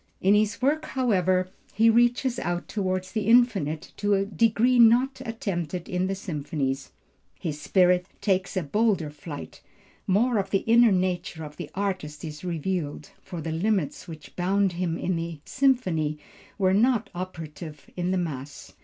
In this work, however, he reaches out toward the infinite to a degree not attempted in the symphonies; his spirit takes a bolder flight; more of the inner nature of the artist is revealed; for the limits which bound him in the symphony were not operative in the mass.